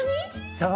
そう。